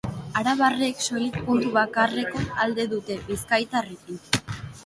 Arabarrek soilik puntu bakarreko alde dute bizkaitarrekin.